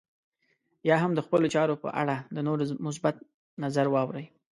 يا هم د خپلو چارو په اړه د نورو مثبت نظر واورئ.